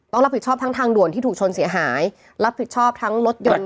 ต้องรับผิดชอบทั้งทางด่วนที่ถูกชนเสียหายรับผิดชอบทั้งรถยนต์